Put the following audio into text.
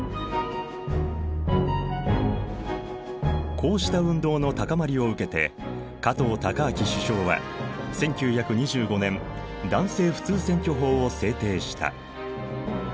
こうした運動の高まりを受けて加藤高明首相は１９２５年男性普通選挙法を制定した。